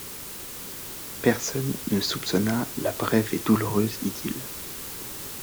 Personne ne soupçonna la brève et douloureuse idylle.